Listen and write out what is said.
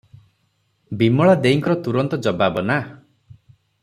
ବିମଳା ଦେଈଙ୍କର ତୁରନ୍ତ ଜବାବ, ନା ।